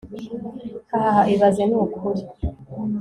hahahaha ibaze nukuri